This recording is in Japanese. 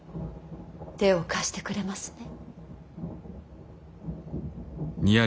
手を貸してくれますね。